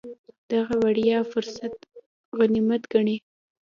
دغه وړیا فرصت غنیمت ګڼي.